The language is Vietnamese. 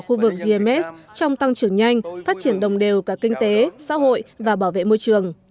khu vực gms trong tăng trưởng nhanh phát triển đồng đều cả kinh tế xã hội và bảo vệ môi trường